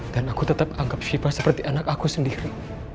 dan aku tetap anggap syifa seperti anak aku sendiri